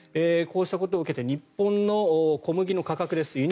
こうしたことを受けて日本の小麦の価格です。